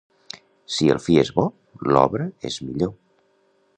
Si el fi és bo, l'obra és millor.